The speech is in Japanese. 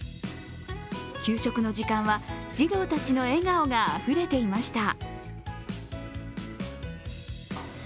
給食の時間は、児童たちの笑顔があふれていました。